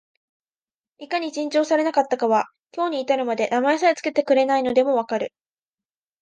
いかに珍重されなかったかは、今日に至るまで名前さえつけてくれないのでも分かる